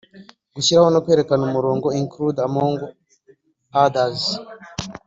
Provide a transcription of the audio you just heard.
gushyiraho no kwerekana umurongo include among others